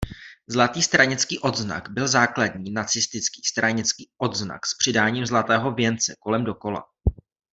Zlatý stranický odznak byl základní nacistický stranický odznak s přidáním zlatého věnce kolem dokola.